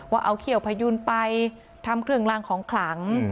ว่าเอาเขี้ยวพยุนไปทำเครื่องลางของขลัง